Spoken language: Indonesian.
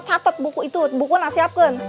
catat buku itu buku nasiapkan